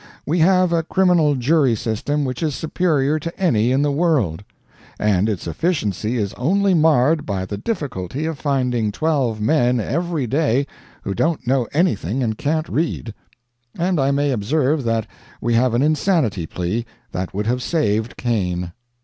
We have a criminal jury system which is superior to any in the world; and its efficiency is only marred by the difficulty of finding twelve men every day who don't know anything and can't read. And I may observe that we have an insanity plea that would have saved Cain.